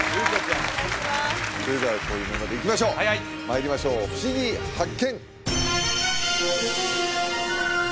それではこういうメンバーでいきましょうまいりましょうふしぎ発見！